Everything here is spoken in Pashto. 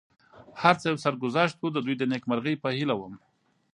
هر څه یو سرګذشت و، د دوی د نېکمرغۍ په هیله ووم.